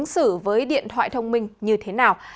sử dụng điện thoại thông minh như thế nào